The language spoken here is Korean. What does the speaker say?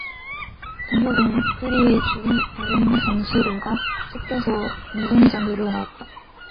동혁은 풀이 죽은 다른 선수들과 섞여서 운동장으로 나왔다.